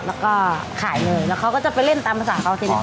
แล้วก็ขายเลยแล้วเขาก็จะไปเล่นตามภาษาเขาทีนี้